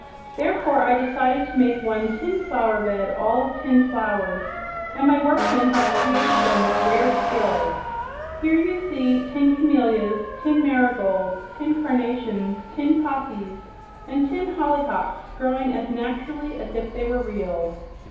Therefore I decided to make one tin flower bed all of tin flowers, and my workmen have created them with rare skill. Here you see tin camelias, tin marigolds, tin carnations, tin poppies and tin hollyhocks growing as naturally as if they were real."